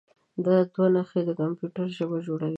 دا دوه نښې د کمپیوټر ژبه جوړوي.